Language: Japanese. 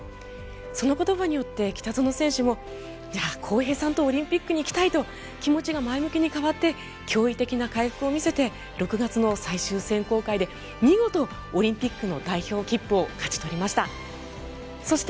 その言葉によって北園選手も航平さんとオリンピックに行きたいと気持ちが前向きに変わって驚異的な回復を見せて６月の最終選考会で見事、オリンピックの代表切符を勝ち取りました。